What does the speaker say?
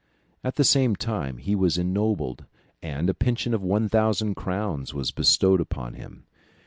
At the same time he was ennobled, and a pension of 1000 crowns was bestowed upon him.